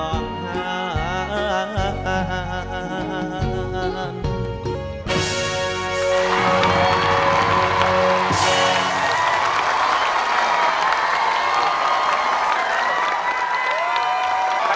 โบฮ่าฮ่าฮ่าฮ่าฮ่า